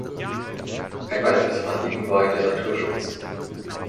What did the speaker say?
Ein weiteres Anliegen war ihm der Naturschutz.